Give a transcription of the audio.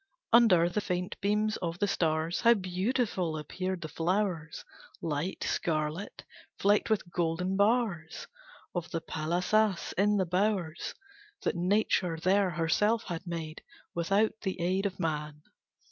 Under the faint beams of the stars How beautiful appeared the flowers, Light scarlet, flecked with golden bars Of the palâsas, in the bowers That Nature there herself had made Without the aid of man.